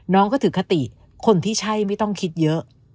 น้องก็ถือคติคนที่ใช่ไม่ต้องคิดเยอะ